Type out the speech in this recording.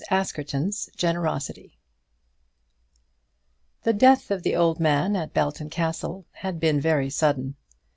ASKERTON'S GENEROSITY. The death of the old man at Belton Castle had been very sudden.